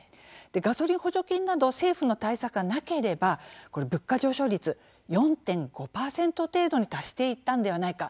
ガソリン補助金など政府の対策がなければ物価上昇率４．５％程度に達していたんではないか